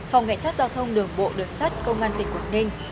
phòng cảnh sát giao thông đường bộ đường sát công an tỉnh quảng ninh